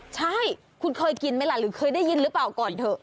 ใช่คุณเคยกินไหมล่ะหรือเคยได้ยินหรือเปล่าก่อนเถอะ